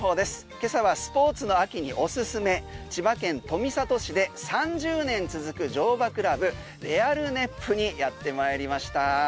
今朝はスポーツの秋におすすめ千葉県富里市で３０年続く乗馬クラブレアルネップにやってまいりました。